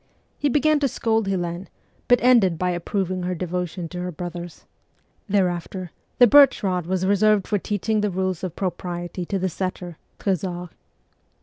He began to scold Helene, but ended by approving her devotion to her brothers. Thereafter the birch rod was reserved for teaching the rules of propriety to the setter, Tresor.